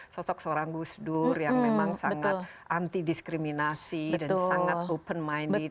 sosok seorang gus dur yang memang sangat anti diskriminasi dan sangat open minded